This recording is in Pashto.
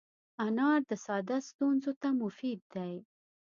انار د ساه ستونزو ته مفید دی.